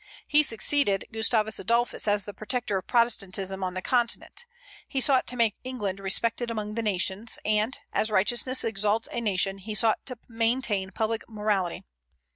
He succeeded Gustavus Adolphus as the protector of Protestantism on the Continent. He sought to make England respected among all the nations; and, as righteousness exalts a nation, he sought to maintain public morality.